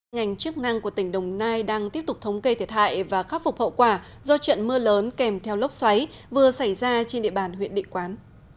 ngành chức năng của tỉnh đồng nai đang tiếp tục thống kê thiệt hại và khắc phục hậu quả do trận mưa lớn kèm theo lốc xoáy vừa xảy ra trên địa bàn huyện địa quán